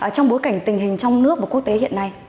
trong bối cảnh tình hình trong nước và quốc tế hiện nay